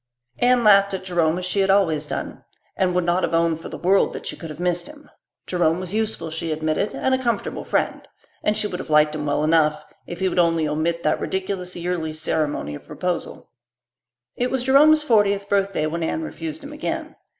Anne laughed at Jerome as she had always done, and would not have owned for the world that she could have missed him. Jerome was useful, she admitted, and a comfortable friend; and she would have liked him well enough if he would only omit that ridiculous yearly ceremony of proposal. It was Jerome's fortieth birthday when Anne refused him again.